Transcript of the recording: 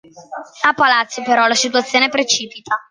A palazzo però la situazione precipita.